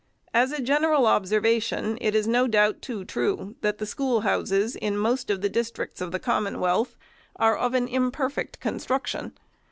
As a general observation, it is no doubt too true, that the schoolhouses in most of the districts of the Commonwealth are of an OP THE BOARD OF EDUCATION. 375 imperfect construction.